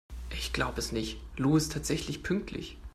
Ich glaube es nicht, Lou ist tatsächlich pünktlich!